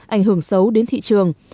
ảnh hưởng xấu đến thị trường